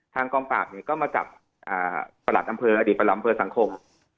ทางกองปราบก็มาจับประหลัดอำเภออดีตประหลังอำเภอสังคม